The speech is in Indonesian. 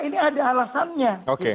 ini ada alasannya